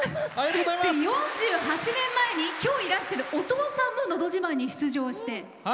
４８年前に今日いらしてるお父様も「のど自慢」に出場して。